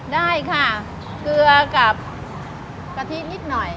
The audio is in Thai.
ได้ค่ะเกลือกับกะทินิดหน่อย